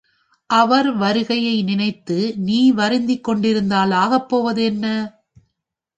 அவர் வருகையை நினைத்து நீ வருந்திக் கொண்டிருந்தால் ஆகப்போவது என்ன?